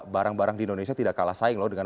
barang barang di indonesia tidak kalah saing loh dengan